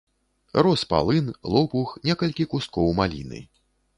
Рос палын, лопух, некалькі кусткоў маліны.